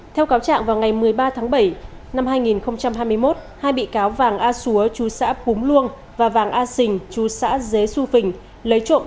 theo cáo trạng vào ngày một mươi ba tháng bảy năm hai nghìn hai mươi một hai bị cáo vàng a xúa chú xã búm luông và vàng a xình chú xã dế xu phình